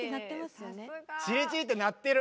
チリチリって鳴ってる！